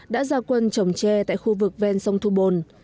đã ra quân trồng tre tại khu vực ven sông thu bồn